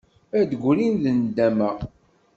Ad d-grin deg nndama.